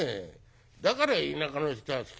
だから田舎の人は好きなんだよ。